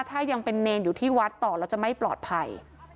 ถ้ายังเป็นเนรอยู่ที่วัดต่อแล้วจะไม่ปลอดภัย